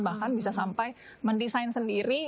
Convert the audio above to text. bahkan bisa sampai mendesain sendiri